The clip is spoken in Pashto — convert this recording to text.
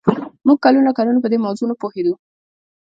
موږ کلونه کلونه په دې موضوع نه پوهېدو